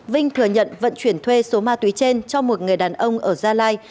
vinh thừa nhận vận chuyển thuê số ma túy trên cho một người đàn ông ở gia lai